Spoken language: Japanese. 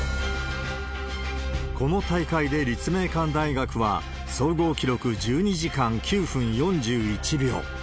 この大会で立命館大学は総合記録１２時間９分４１秒。